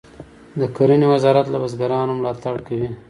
د کرنې وزارت له بزګرانو ملاتړ کوي.